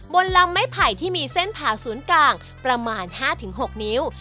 ลำไม้ไผ่ที่มีเส้นผ่าศูนย์กลางประมาณ๕๖นิ้ว